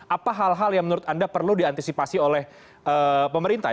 apa hal hal yang menurut anda perlu diantisipasi oleh pemerintah